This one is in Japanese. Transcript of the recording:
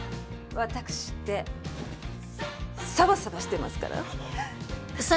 ワタクシってサバサバしてますから！